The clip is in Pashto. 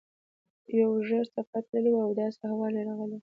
په یو اوږد سفر تللی و او داسې احوال یې راغلی و.